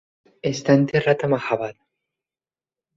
Està enterrat a Mahabad.